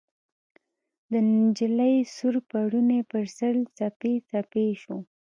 د نجلۍ سور پوړني ، پر سر، څپې څپې شو